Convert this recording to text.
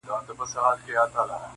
پرېږده په نغمو کي د بېړۍ د ډوبېدو کیسه-